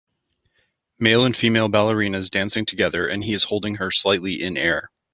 Male and female ballerinas dancing together and he is holding her slightly in air.